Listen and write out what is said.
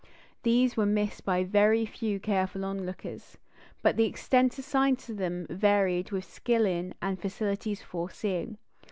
These were missed by very few careful onlookers; but the extent assigned to them varied with skill in, and facilities for seeing.